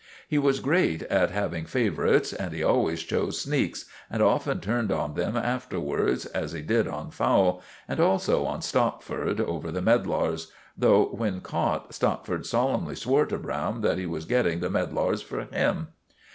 He was great at having favourites, and he always chose sneaks, and often turned on them afterwards, as he did on Fowle, and also on Stopford over the medlars; though when caught, Stopford solemnly swore to Browne that he was getting the medlars for him.